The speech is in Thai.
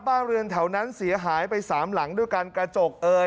บ้านเรือนแถวนั้นเสียหายไปสามหลังด้วยกันกระจกเอ่ย